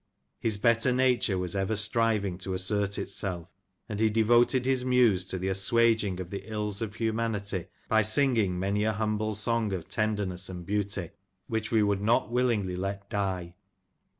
His better nature was ever striving to assert itself, and he devoted his muse to the assuaging of the ills of humanity by singing many a humble song of tenderness, and beauty, which we would not willingly let die.